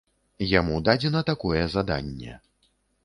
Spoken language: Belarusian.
Яму дадзена такое заданне.